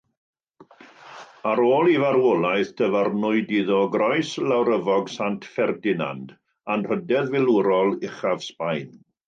Ar ôl ei farwolaeth dyfarnwyd iddo Groes Lawryfog Sant Ferdinand, anrhydedd filwrol uchaf Sbaen.